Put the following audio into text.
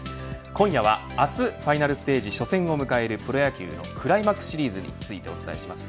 今夜は明日ファイナルステージ初戦を迎えるプロ野球のクライマックスシリーズについてお伝えします。